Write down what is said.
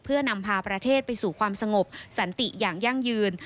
เพื่อนำพาประเทศไปสู่ความสงบสันติอย่างยั่งยืน